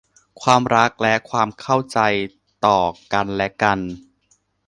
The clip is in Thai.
ความรักและความเข้าใจต่อกันและกัน